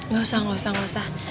gak usah gak usah gak usah